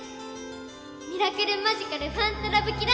ミラクルマジカルファントラブキラ！